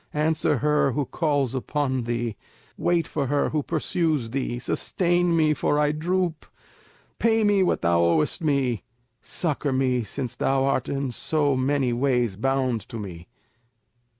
Answer her who calls upon thee! Wait for her who pursues thee; sustain me, for I droop; pay me what thou owest me; succour me since thou art in so many ways bound to me!"